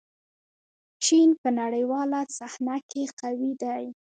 چین په نړیواله صحنه کې قوي دی.